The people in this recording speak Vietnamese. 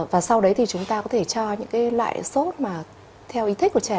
và sau đấy thì chúng ta có thể cho những loại sốt theo ý thích của trẻ